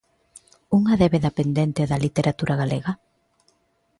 Unha débeda pendente da literatura galega?